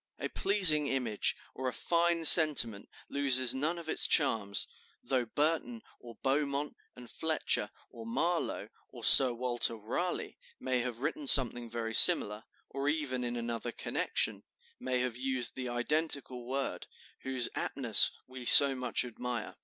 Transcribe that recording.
A pleasing image, or a fine sentiment loses none of its charms, though Burton, or Beaumont and Fletcher, or Marlowe, or Sir Walter Raleigh, may have written something very similar, or even in another connection, may have used the identical word, whose aptness we so much admire.